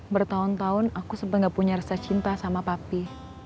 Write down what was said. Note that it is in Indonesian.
bertahun tahun aku sempat gak punya rasa cinta sama papi